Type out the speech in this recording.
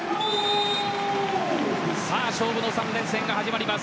勝負の３連戦が始まります。